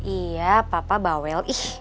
iya papa bawel ih